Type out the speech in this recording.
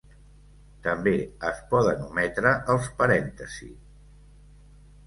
També es poden ometre els parèntesis.